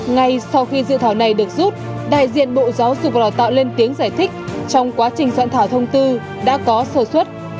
ngay sau khi dự thảo này được rút đại diện bộ giáo dục và đào tạo lên tiếng giải thích trong quá trình soạn thảo thông tư đã có sổ xuất